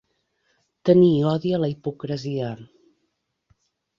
Tenir odi a la hipocresia.